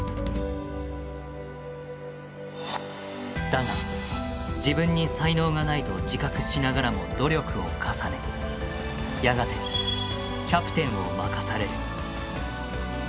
だが自分に才能がないと自覚しながらも努力を重ねやがてキャプテンを任される。